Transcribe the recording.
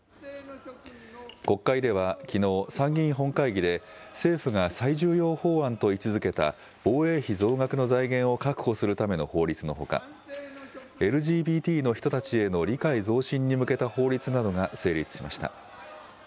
国会ではきのう、参議院本会議で、政府が最重要法案と位置づけた防衛費増額の財源を確保するための法律のほか、ＬＧＢＴの人たちへの理解増進に向けた法律などが成立しました。